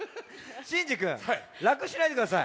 シンジくんらくしないでください。